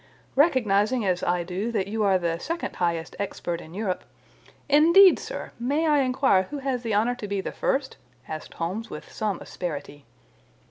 Recognizing, as I do, that you are the second highest expert in Europe—" "Indeed, sir! May I inquire who has the honour to be the first?" asked Holmes with some asperity.